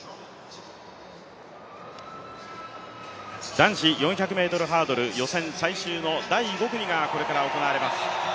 男子４００ｍハードル予選最終の第５組がこれから行われます。